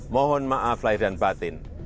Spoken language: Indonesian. mohon maaf lahir dan batin